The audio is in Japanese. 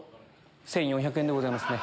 １４００円でございます。